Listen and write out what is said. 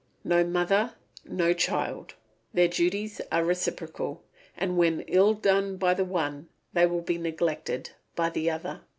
No mother, no child; their duties are reciprocal, and when ill done by the one they will be neglected by the other.